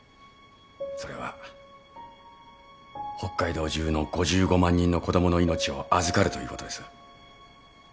それは北海道中の５５万人の子供の命を預かるということです。